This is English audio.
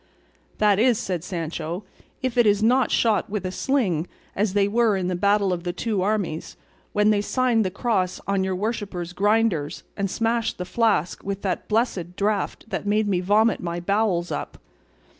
"That is," said Sancho, "if it is not shot with a sling as they were in the battle of the two armies, when they signed the cross on your worship's grinders and smashed the flask with that blessed draught that made me vomit my bowels up."